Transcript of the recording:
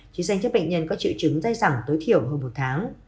chỉ dành cho bệnh nhân có triệu chứng day dẳng tối thiểu hơn một tháng